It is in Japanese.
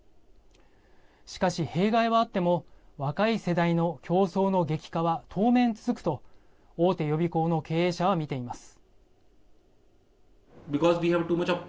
しかし、弊害はあっても若い世代の競争の激化は当面、続くと大手予備校の経営者は見ています。